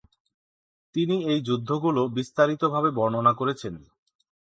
তিনি এই যুদ্ধগুলো বিস্তারিতভাবে বর্ণনা করেছেন।